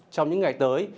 trong những ngày tới